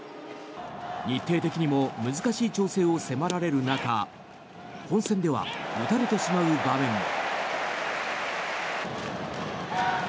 日程的にも難しい調整を迫られる中本戦では打たれてしまう場面も。